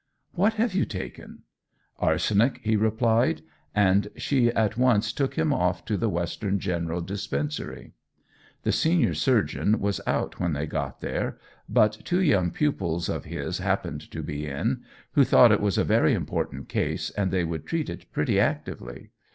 'What have you taken?' 'Arsenic,' he replied, and she at once took him off to the Western General Dispensary. The senior surgeon was out when they got there, but two young pupils of his happened to be in, who thought it was a very important case, and they would treat it pretty actively.